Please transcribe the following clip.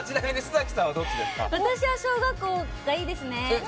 私は小学校がいいですね。